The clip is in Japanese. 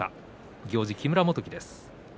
行司は木村元基です。